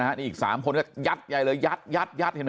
นี่อีก๓คนยัดใหญ่ยัดยัดยัดเห็นมั้ย